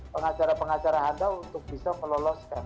pengacara pengacara anda untuk bisa meloloskan